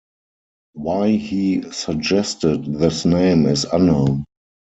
Why he suggested this name is unknown.